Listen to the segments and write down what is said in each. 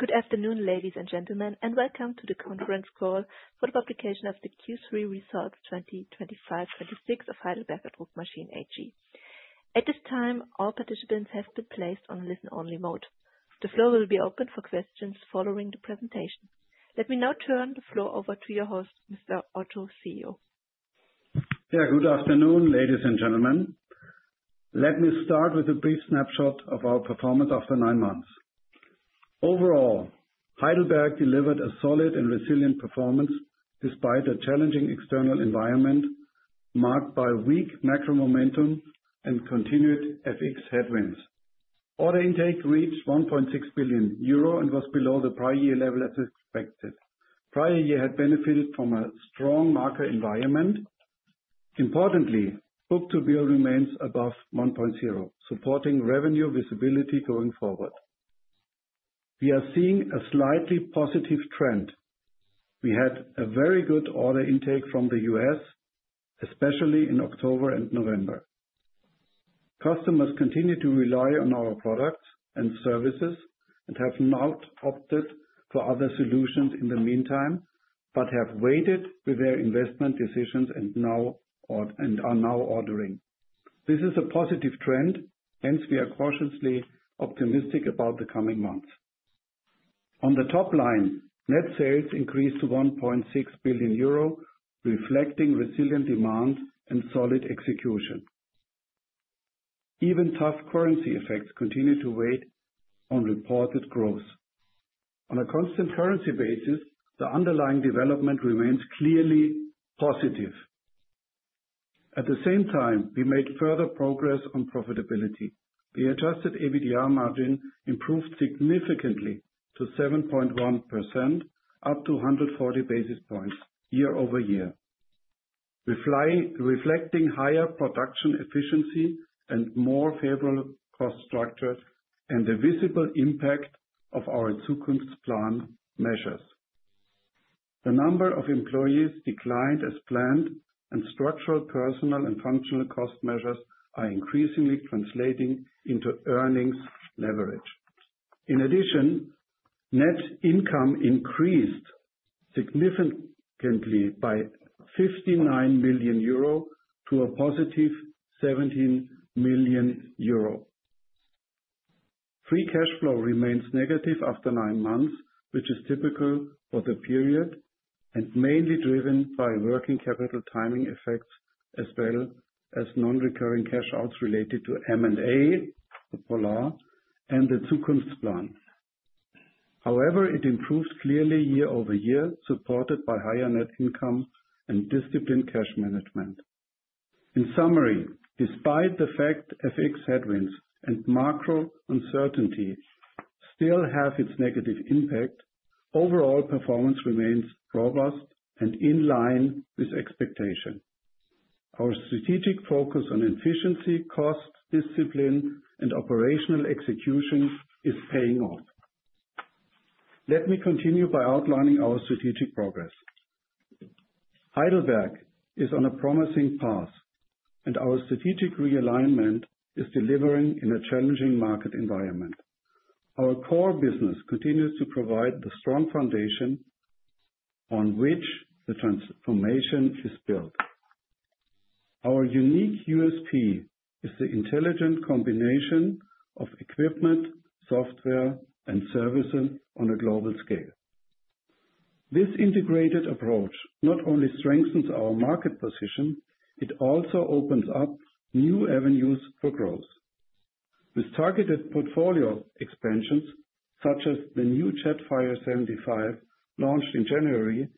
Good afternoon, ladies and gentlemen, and welcome to the conference call for the publication of the Q3 results 2025, 2026 of Heidelberger Druckmaschinen AG. At this time, all participants have been placed on listen-only mode. The floor will be open for questions following the presentation. Let me now turn the floor over to your host, Mr. Otto, CEO. Yeah, good afternoon, ladies and gentlemen. Let me start with a brief snapshot of our performance after nine months. Overall, Heidelberg delivered a solid and resilient performance, despite a challenging external environment marked by weak macro momentum and continued FX headwinds. Order intake reached 1.6 billion euro and was below the prior year level as expected. Prior year had benefited from a strong market environment. Importantly, book-to-bill remains above 1.0, supporting revenue visibility going forward. We are seeing a slightly positive trend. We had a very good order intake from the U.S., especially in October and November. Customers continue to rely on our products and services and have not opted for other solutions in the meantime, but have waited with their investment decisions and now and are now ordering. This is a positive trend, hence we are cautiously optimistic about the coming months. On the top line, net sales increased to 1.6 billion euro, reflecting resilient demand and solid execution. Even though currency effects continue to weigh on reported growth. On a constant currency basis, the underlying development remains clearly positive. At the same time, we made further progress on profitability. The adjusted EBITDA margin improved significantly to 7.1%, up 140 basis points year-over-year. Reflecting higher production efficiency and more favorable cost structure, and the visible impact of our Zukunftsplan measures. The number of employees declined as planned, and structural, personal, and functional cost measures are increasingly translating into earnings leverage. In addition, net income increased significantly by 59 million euro to a +17 million euro. Free cash flow remains negative after nine months, which is typical for the period, and mainly driven by working capital timing effects, as well as non-recurring cash outs related to M&A, Polar, and the Zukunftsplan. However, it improves clearly year-over-year, supported by higher net income and disciplined cash management. In summary, despite the fact FX headwinds and macro uncertainty still have its negative impact, overall performance remains robust and in line with expectation. Our strategic focus on efficiency, cost, discipline, and operational execution is paying off. Let me continue by outlining our strategic progress. Heidelberg is on a promising path, and our strategic realignment is delivering in a challenging market environment. Our core business continues to provide the strong foundation on which the transformation is built. Our unique USP is the intelligent combination of equipment, software, and services on a global scale. This integrated approach not only strengthens our market position, it also opens up new avenues for growth. With targeted portfolio expansions, such as the new Jetfire 75, launched in January,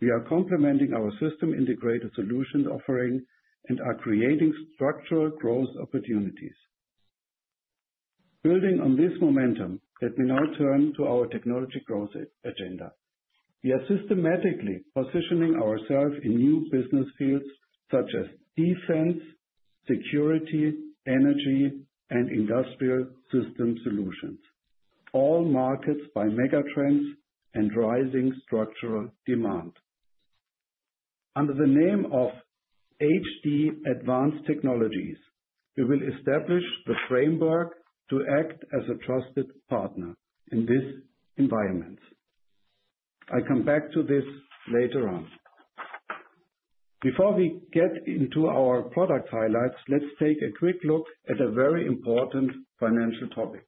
we are complementing our system-integrated solutions offering and are creating structural growth opportunities. Building on this momentum, let me now turn to our technology growth agenda. We are systematically positioning ourselves in new business fields such as defense, security, energy, and industrial system solutions, all marked by megatrends and rising structural demand. Under the name of HD Advanced Technologies, we will establish the framework to act as a trusted partner in this environment. I come back to this later on. Before we get into our product highlights, let's take a quick look at a very important financial topic.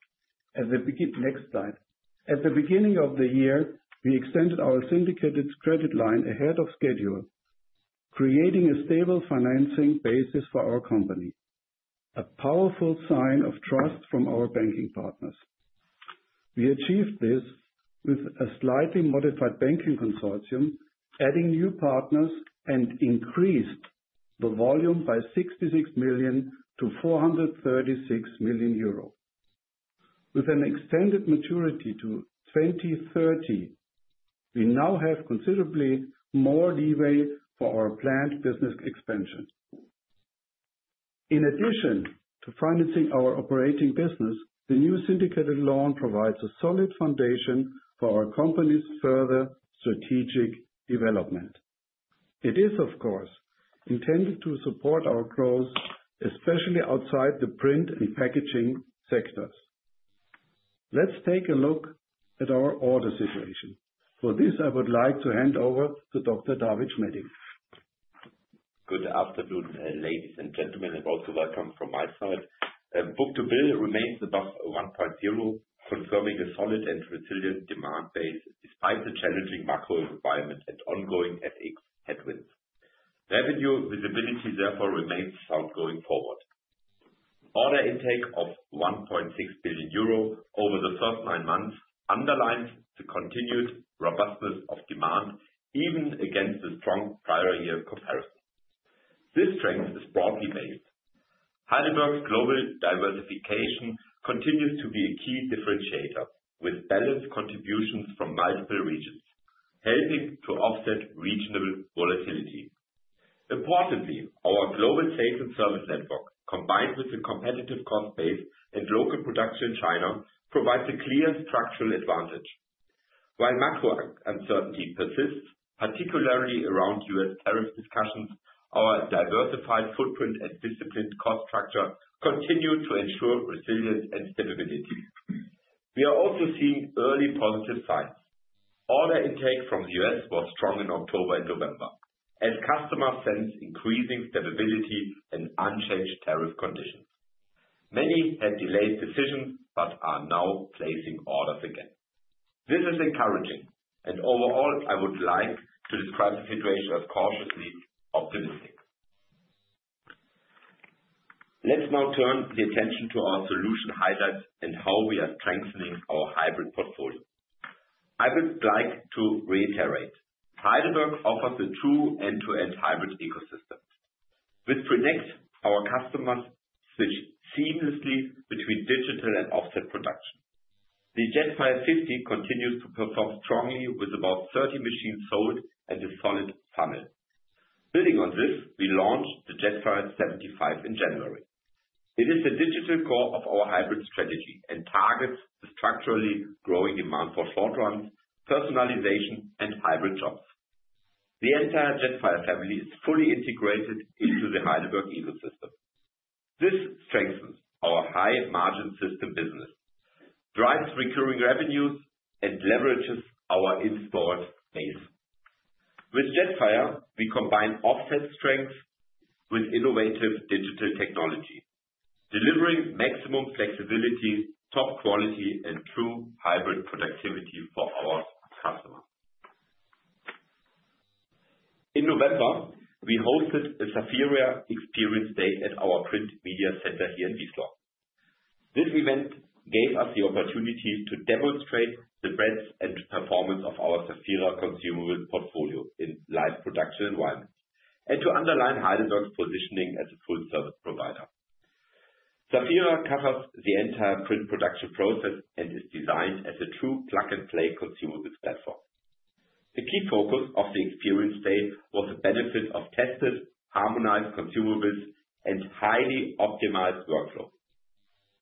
As we begin, next slide. At the beginning of the year, we extended our syndicated credit line ahead of schedule, creating a stable financing basis for our company, a powerful sign of trust from our banking partners. We achieved this with a slightly modified banking consortium, adding new partners and increased the volume by 66 million to 436 million euro. With an extended maturity to 2030, we now have considerably more leeway for our planned business expansion. In addition to financing our operating business, the new syndicated loan provides a solid foundation for our company's further strategic development. It is, of course, intended to support our growth, especially outside the print and packaging sectors. Let's take a look at our order situation. For this, I would like to hand over to Dr. David Schmedding. Good afternoon, ladies and gentlemen, and also welcome from my side. Book-to-bill remains above 1.0, confirming a solid and resilient demand base despite the challenging macro environment and ongoing FX headwinds. Revenue visibility therefore remains sound going forward. Order intake of 1.6 billion euro over the first nine months underlines the continued robustness of demand, even against the strong prior year comparison. This strength is broadly based. Heidelberg's global diversification continues to be a key differentiator, with balanced contributions from multiple regions, helping to offset regional volatility. Importantly, our global sales and service network, combined with a competitive cost base and local production in China, provides a clear structural advantage. While macro uncertainty persists, particularly around U.S. tariff discussions, our diversified footprint and disciplined cost structure continue to ensure resilience and stability. We are also seeing early positive signs. Order intake from the U.S. was strong in October and November, as customers sense increasing stability and unchanged tariff conditions. Many had delayed decisions, but are now placing orders again. This is encouraging, and overall, I would like to describe the situation as cautiously optimistic. Let's now turn the attention to our solution highlights and how we are strengthening our hybrid portfolio. I would like to reiterate, Heidelberg offers a true end-to-end hybrid ecosystem. This predicts our customers switch seamlessly between digital and offset production. The Jetfire 50 continues to perform strongly, with about 30 machines sold and a solid funnel. Building on this, we launched the Jetfire 75 in January. It is the digital core of our hybrid strategy and targets the structurally growing demand for short runs, personalization, and hybrid jobs. The entire Jetfire family is fully integrated into the Heidelberg ecosystem. This strengthens our high-margin system business, drives recurring revenues, and leverages our installed base. With Jetfire, we combine offset strength with innovative digital technology, delivering maximum flexibility, top quality, and true hybrid productivity for our customers. In November, we hosted a Saphira Experience Day at our Print Media Center here in Wiesloch. This event gave us the opportunity to demonstrate the breadth and performance of our Saphira consumable portfolio in live production environments, and to underline Heidelberg's positioning as a full service provider. Saphira covers the entire print production process and is designed as a true plug-and-play consumables platform. The key focus of the experience day was the benefit of tested, harmonized consumables and highly optimized workflows.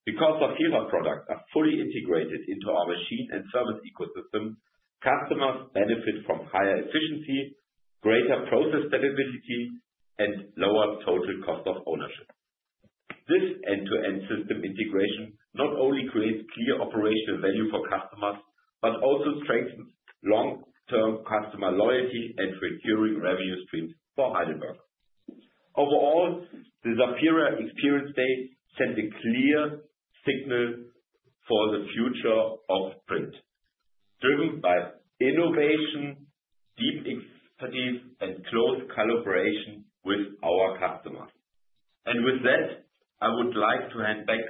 Because our Saphira products are fully integrated into our machine and service ecosystem, customers benefit from higher efficiency, greater process stability, and lower total cost of ownership. This end-to-end system integration not only creates clear operational value for customers, but also strengthens long-term customer loyalty and recurring revenue streams for Heidelberg. Overall, the Saphira Experience Day sent a clear signal for the future of print, driven by innovation, deep expertise, and close collaboration with our customers. With that, I would like to hand back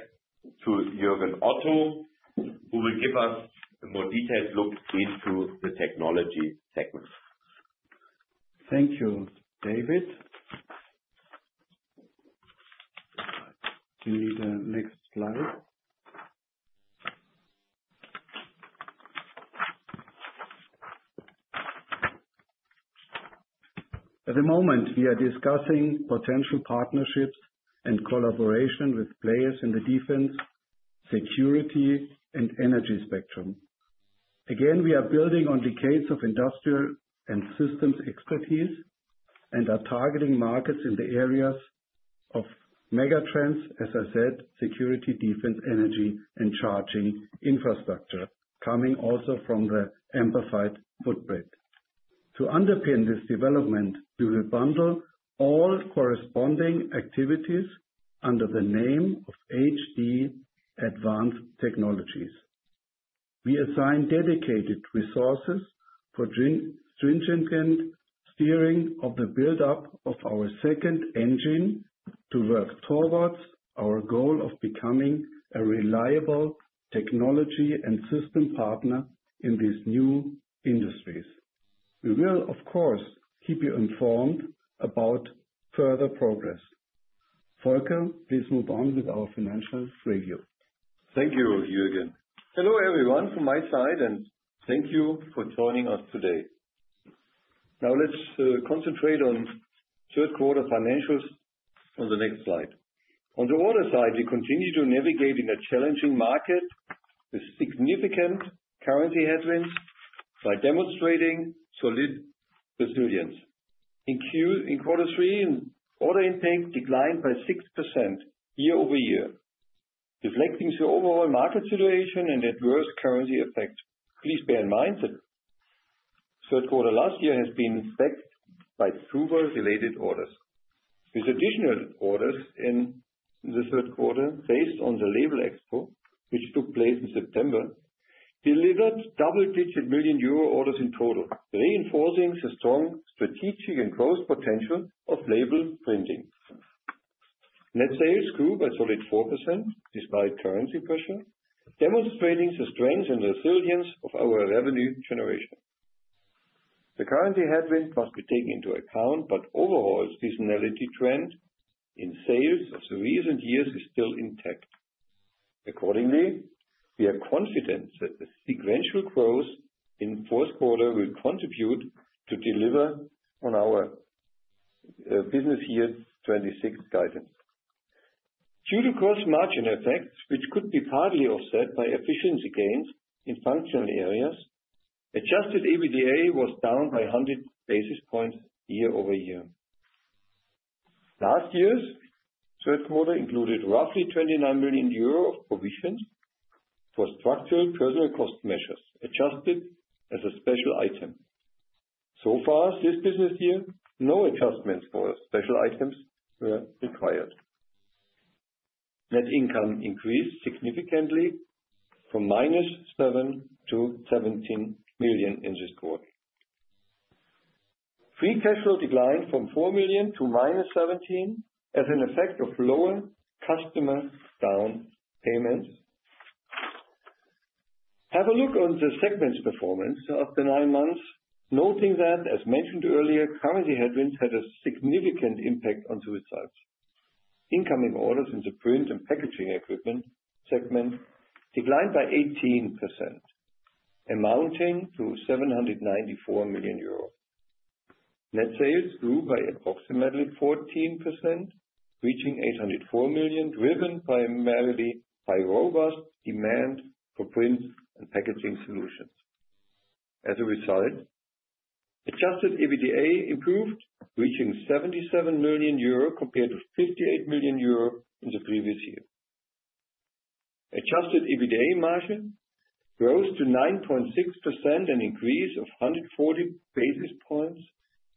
to Jürgen Otto, who will give us a more detailed look into the technology segment. Thank you, David. Do you need the next slide? At the moment, we are discussing potential partnerships and collaboration with players in the defense, security, and energy spectrum. Again, we are building on decades of industrial and systems expertise, and are targeting markets in the areas of megatrends, as I said, security, defense, energy, and charging infrastructure, coming also from the amplified footprint. To underpin this development, we will bundle all corresponding activities under the name of HD Advanced Technologies. We assign dedicated resources for stringent steering of the build-up of our second engine to work towards our goal of becoming a reliable technology and system partner in these new industries. We will, of course, keep you informed about further progress. Volker, please move on with our financial review. Thank you, Jürgen. Hello, everyone, from my side, and thank you for joining us today. Now let's concentrate on third quarter financials. On the next slide. On the order side, we continue to navigate in a challenging market with significant currency headwinds by demonstrating solid resilience. In quarter three, order intake declined by 6% year-over-year, reflecting the overall market situation and adverse currency effects. Please bear in mind that third quarter last year has been affected by through-flow related orders. These additional orders in the third quarter, based on the Labelexpo, which took place in September, delivered double-digit million euros orders in total, reinforcing the strong strategic and growth potential of label printing. Net sales grew by solid 4% despite currency pressure, demonstrating the strength and resilience of our revenue generation. The currency headwind must be taken into account, but overall, seasonality trend in sales of the recent years is still intact. Accordingly, we are confident that the sequential growth in fourth quarter will contribute to deliver on our business year 2026 guidance. Due to gross margin effects, which could be partly offset by efficiency gains in functional areas, adjusted EBITDA was down by 100 basis points year-over-year. Last year's third quarter included roughly 29 million euro of provisions for structural personal cost measures, adjusted as a special item. So far, this business year, no adjustments for special items were required. Net income increased significantly from -7 million to 17 million in this quarter. Free cash flow declined from 4 million to -17 million, as an effect of lower customer down payment. Have a look at the segment's performance after 9 months, noting that, as mentioned earlier, currency headwinds had a significant impact on the results. Incoming orders in the print and packaging equipment segment declined by 18%, amounting to 794 million euros. Net sales grew by approximately 14%, reaching 804 million, driven primarily by robust demand for print and packaging solutions. As a result, adjusted EBITDA improved, reaching 77 million euro compared to 58 million euro in the previous year. Adjusted EBITDA margin rose to 9.6%, an increase of 140 basis points,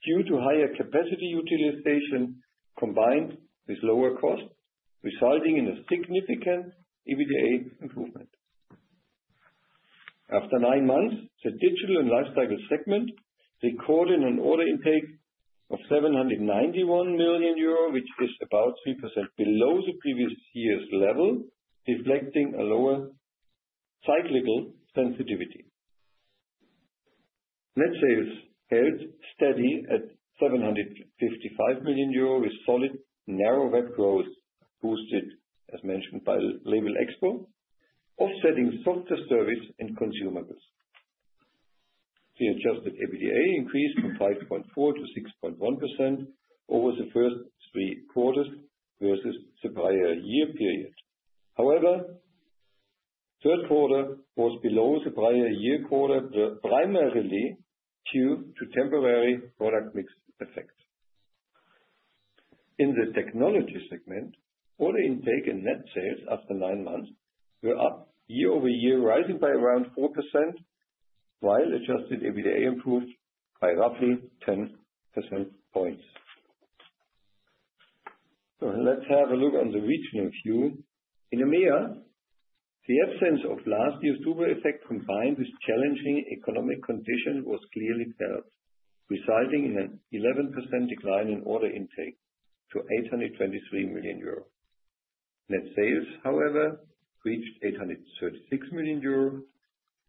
due to higher capacity utilization combined with lower costs, resulting in a significant EBITDA improvement. After nine months, the Digital and Lifecycle segment recorded an order intake of 791 million euro, which is about 3% below the previous year's level, reflecting a lower cyclical sensitivity. Net sales held steady at 755 million euro, with solid narrow web growth, boosted, as mentioned, by Labelexpo, offsetting softer service and consumables. The adjusted EBITDA increased from 5.4%-6.1% over the first three quarters versus the prior year period. However, third quarter was below the prior year quarter, primarily due to temporary product mix effects. In the technology segment, order intake and net sales after nine months were up year-over-year, rising by around 4%, while adjusted EBITDA improved by roughly 10 percentage points. So let's have a look on the regional view. In EMEA, the absence of last year's super effect, combined with challenging economic condition, was clearly felt, resulting in an 11% decline in order intake to 823 million euro. Net sales, however, reached 836 million euro,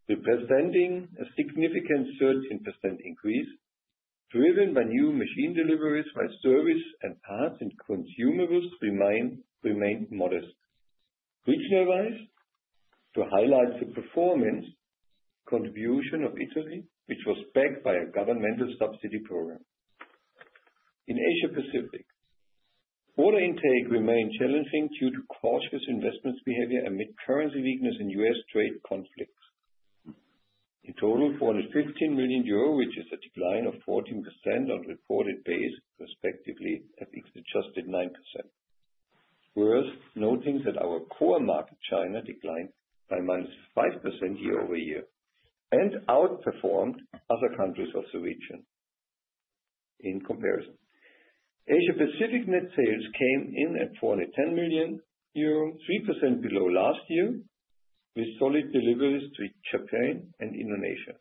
representing a significant 13% increase, driven by new machine deliveries, while service and parts and consumables remain, remained modest. Regionally wise, to highlight the performance contribution of Italy, which was backed by a governmental subsidy program. In Asia Pacific, order intake remained challenging due to cautious investments behavior amid currency weakness and US trade conflicts. In total, 415 million euro, which is a decline of 14% on reported base, respectively, at adjusted 9%. Worth noting that our core market, China, declined by -5% year-over-year and outperformed other countries of the region. In comparison, Asia Pacific net sales came in at 41 million euro, 3% below last year, with solid deliveries to Japan and Indonesia.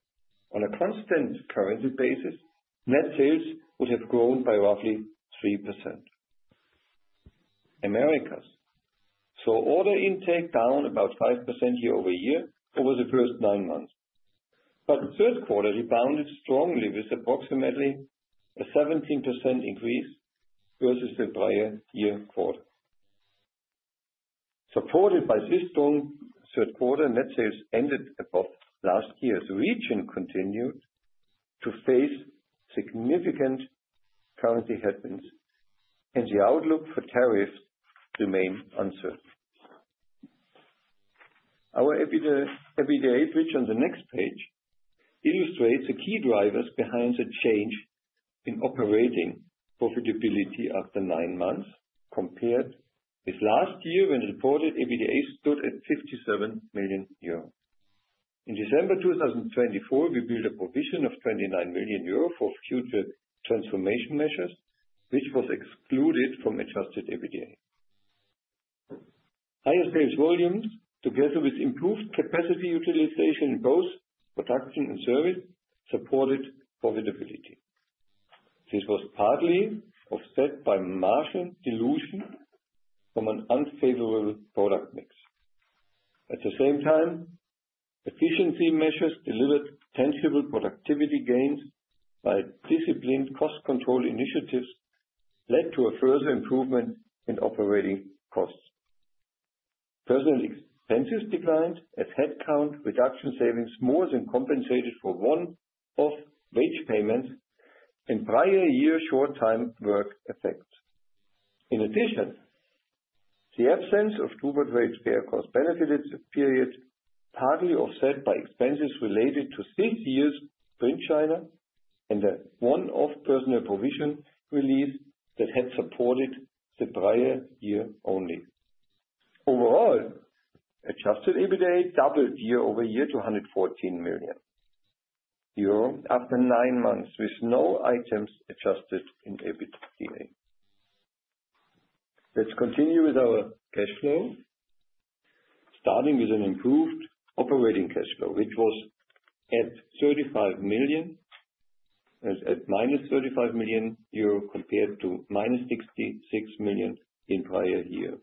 On a constant currency basis, net sales would have grown by roughly 3%. Americas. So order intake down about 5% year-over-year over the first nine months, but the third quarter rebounded strongly, with approximately a 17% increase versus the prior year quarter. Supported by this strong third quarter, net sales ended above last year's region continued to face significant currency headwinds, and the outlook for tariffs remain uncertain. Our EBITDA, which on the next page, illustrates the key drivers behind the change in operating profitability after nine months, compared with last year, when reported EBITDA stood at 57 million euros. In December 2024, we built a provision of 29 million euros for future transformation measures, which was excluded from adjusted EBITDA. Higher sales volumes, together with improved capacity utilization in both production and service, supported profitability. This was partly offset by margin dilution from an unfavorable product mix. At the same time, efficiency measures delivered tangible productivity gains by disciplined cost control initiatives, led to a further improvement in operating costs. Personnel expenses declined as headcount reduction savings more than compensated for one-off wage payments and prior year short-time work effects. In addition, the absence of two wage cost benefited the period, partly offset by expenses related to six years in China and a one-off personnel provision relief that had supported the prior year only. Overall, adjusted EBITDA doubled year-over-year to 114 million euro after 9 months, with no items adjusted in EBITDA. Let's continue with our cash flow, starting with an improved operating cash flow, which was at 35 million, as at -35 million euro, compared to -66 million in prior year.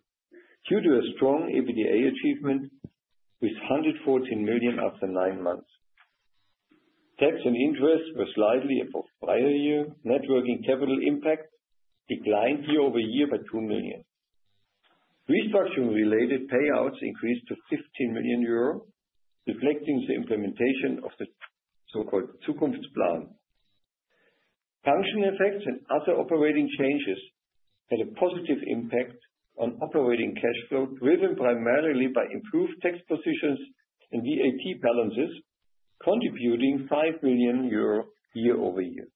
Due to a strong EBITDA achievement with 114 million after nine months. Tax and interest were slightly above prior year. Net working capital impact declined year-over-year by 2 million. Restructuring related payouts increased to 15 million euro, reflecting the implementation of the so-called Zukunftsplan. Function effects and other operating changes had a positive impact on operating cash flow, driven primarily by improved tax positions and VAT balances, contributing 5 million euro year-over-year.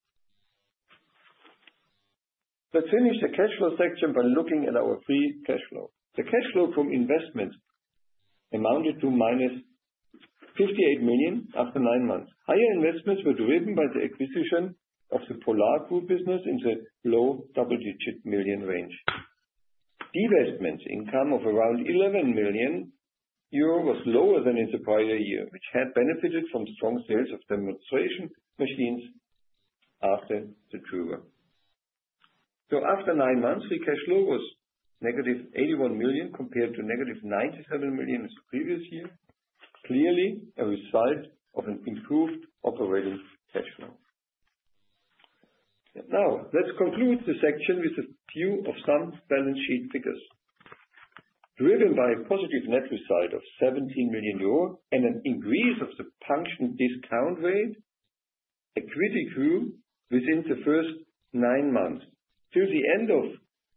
Let's finish the cash flow section by looking at our free cash flow. The cash flow from investment amounted to -58 million after nine months. Higher investments were driven by the acquisition of the Polar Mohr business in the low double-digit million EUR range. Divestments income of around 11 million euro was lower than in the prior year, which had benefited from strong sales of demonstration machines after the drupa. So after nine months, free cash flow was -81 million, compared to -97 million the previous year, clearly a result of an improved operating cash flow. Now, let's conclude this section with a few some balance sheet figures. Driven by a positive net result of 17 million euros and an increase of the pension discount rate, equity grew within the first nine months. Through the end of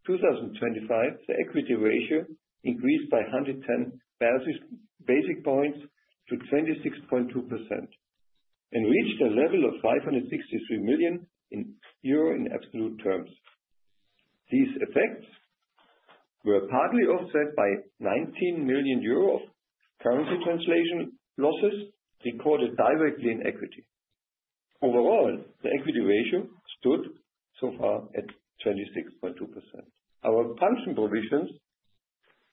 2025, the equity ratio increased by 110 basis points to 26.2% and reached a level of 563 million euro in absolute terms. These effects were partly offset by 19 million euros of currency translation losses recorded directly in equity. Overall, the equity ratio stood so far at 26.2%. Our pension provisions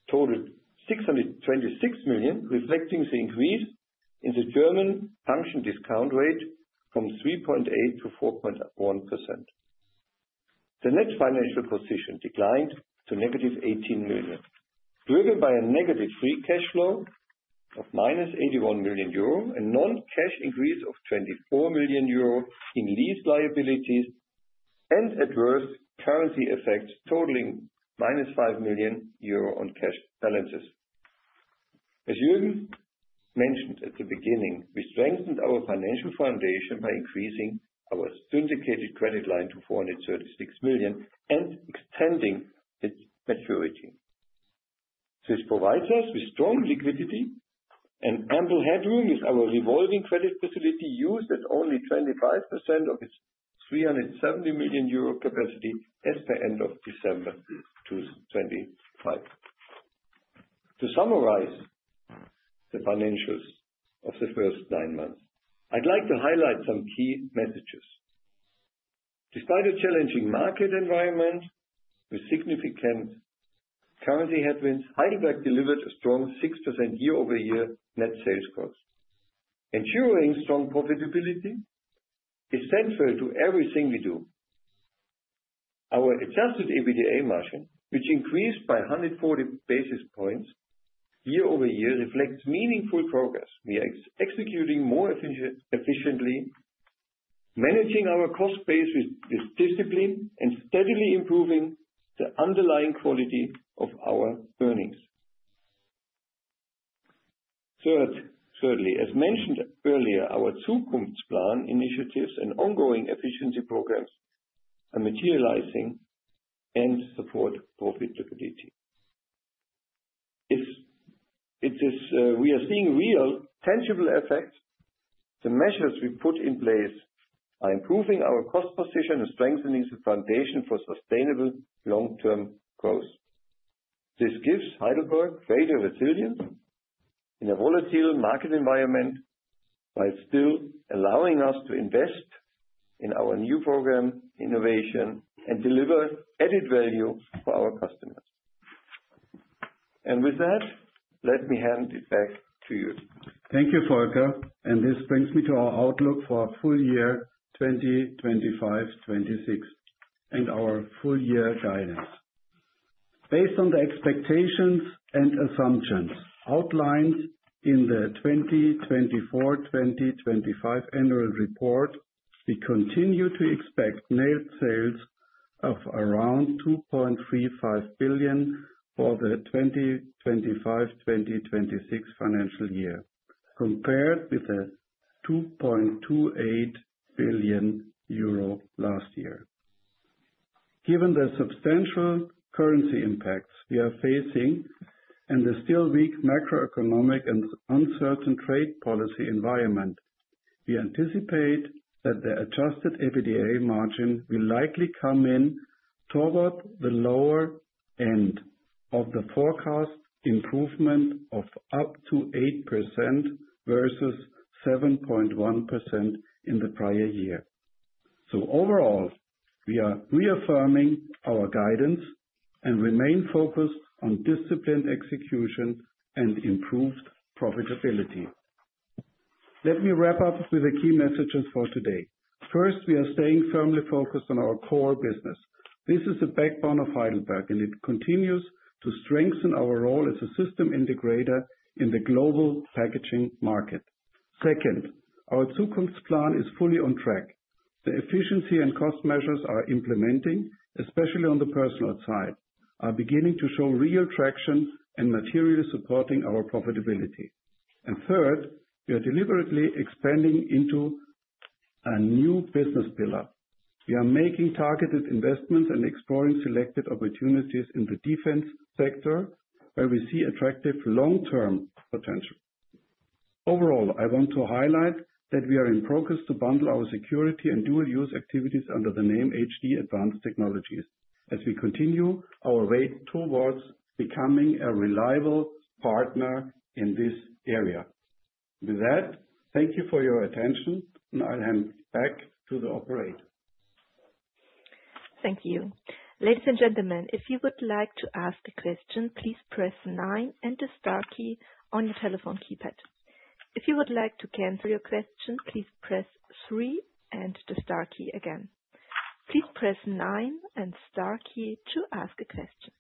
totaled 626 million, reflecting the increase in the German pension discount rate from 3.8% to 4.1%. The net financial position declined to -18 million, driven by a negative free cash flow of -81 million euro, a non-cash increase of 24 million euro in lease liabilities, and adverse currency effects totaling -5 million euro on cash balances. As Jürgen mentioned at the beginning, we strengthened our financial foundation by increasing our syndicated credit line to 436 million and extending its maturity. This provides us with strong liquidity and ample headroom, with our revolving credit facility used at only 25% of its 370 million euro capacity at the end of December 2025. To summarize the financials of the first nine months, I'd like to highlight some key messages. Despite a challenging market environment with significant currency headwinds, Heidelberg delivered a strong 6% year-over-year net sales growth. Ensuring strong profitability is central to everything we do. Our adjusted EBITDA margin, which increased by 140 basis points year-over-year, reflects meaningful progress. We are executing more efficiently, managing our cost base with discipline and steadily improving the underlying quality of our earnings. Thirdly, as mentioned earlier, our Zukunftsplan initiatives and ongoing efficiency programs are materializing and support profitability. We are seeing real, tangible effects. The measures we put in place are improving our cost position and strengthening the foundation for sustainable long-term growth. This gives Heidelberg greater resilience in a volatile market environment, while still allowing us to invest in our new program, innovation, and deliver added value for our customers. With that, let me hand it back to you. Thank you, Volker. This brings me to our outlook for our full year, 2025, 2026, and our full year guidance. Based on the expectations and assumptions outlined in the 2024, 2025 annual report, we continue to expect net sales of around 2.35 billion for the 2025, 2026 financial year, compared with 2.28 billion euro last year. Given the substantial currency impacts we are facing and the still weak macroeconomic and uncertain trade policy environment, we anticipate that the adjusted EBITDA margin will likely come in toward the lower end of the forecast improvement of up to 8% versus 7.1% in the prior year. Overall, we are reaffirming our guidance and remain focused on disciplined execution and improved profitability. Let me wrap up with the key messages for today. First, we are staying firmly focused on our core business. This is the backbone of Heidelberg, and it continues to strengthen our role as a system integrator in the global packaging market. Second, our Zukunftsplan is fully on track. The efficiency and cost measures are implementing, especially on the personal side, are beginning to show real traction and materially supporting our profitability. Third, we are deliberately expanding into a new business pillar. We are making targeted investments and exploring selected opportunities in the defense sector, where we see attractive long-term potential. Overall, I want to highlight that we are in progress to bundle our security and dual use activities under the name HD Advanced Technologies, as we continue our way towards becoming a reliable partner in this area. With that, thank you for your attention, and I'll hand back to the operator. Thank you. Ladies and gentlemen, if you would like to ask a question, please press nine and the star key on your telephone keypad. If you would like to cancel your question, please press three and the star key again. Please press nine and star key to ask a question.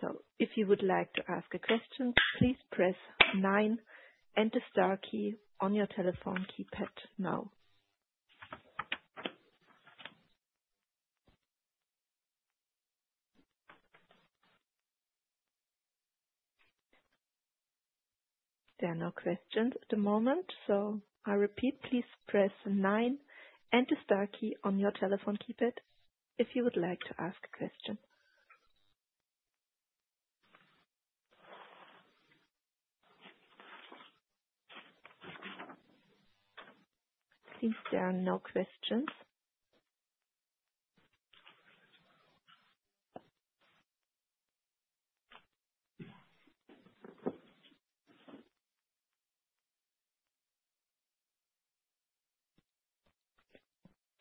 So if you would like to ask a question, please press nine and the star key on your telephone keypad now. There are no questions at the moment, so I repeat, please press nine and the star key on your telephone keypad if you would like to ask a question. Since there are no questions...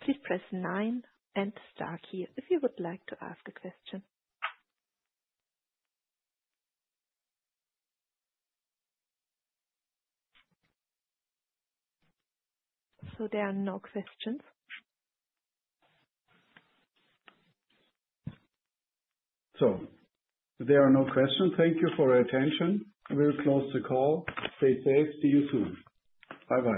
Please press nine and star key if you would like to ask a question. So there are no questions. There are no questions. Thank you for your attention. We'll close the call. Stay safe. See you soon. Bye-bye.